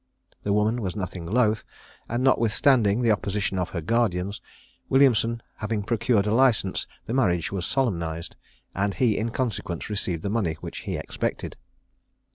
The woman was nothing loth, and notwithstanding the opposition of her guardians, Williamson having procured a licence, the marriage was solemnized; and he in consequence received the money which he expected.